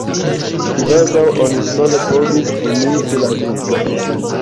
Kvazaŭ oni sole povis imiti la vivo!